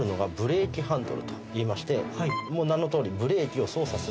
もう名のとおり。